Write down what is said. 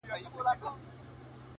• حاکم وویل عرضونه پر سلطان کړه,